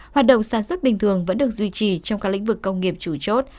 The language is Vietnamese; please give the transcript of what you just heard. hoạt động sản xuất bình thường vẫn được duy trì trong các lĩnh vực công nghiệp chủ chốt